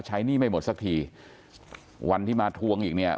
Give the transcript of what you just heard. หนี้ไม่หมดสักทีวันที่มาทวงอีกเนี่ย